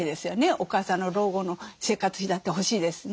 お母さんの老後の生活費だって欲しいですしね。